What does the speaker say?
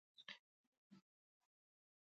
وئیلـي مونږ ته هـر چا سبقــونه ټول پردي دي